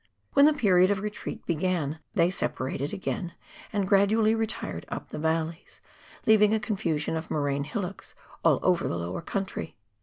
When the period of retreat began they separated again, and gradually retired up the valleys, leaving a con fusion of moraine hillocks all over the lower country.